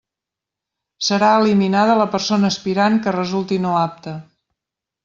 Serà eliminada la persona aspirant que resulti no apta.